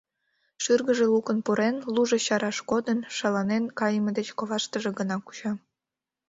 Шӱргыжӧ лукын пурен, лужо чараш кодын, шаланен кайыме деч коваштыже гына куча.